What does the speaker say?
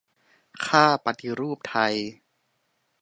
'ค่าปฎิรูปไทย'